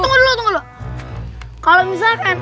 eh tunggu dulu